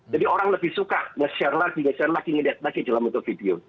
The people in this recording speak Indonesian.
jadi orang lebih suka nge share lagi nge share lagi nge detmatch lagi dalam bentuk video